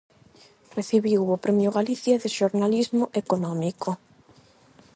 Recibiu o Premio Galicia de Xornalismo Económico.